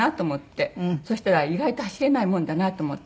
そしたら意外と走れないものだなと思って。